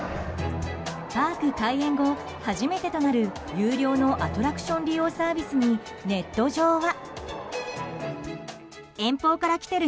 パーク開園後初めてとなる有料のアトラクション利用サービスにネット上は。